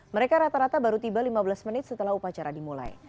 mereka rata rata baru tiba lima belas menit setelah upacara dimulai